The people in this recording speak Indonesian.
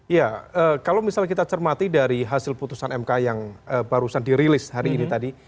iya kalau misalnya kita cermati dari hasil putusan mk yang barusan dirilis hari ini tadi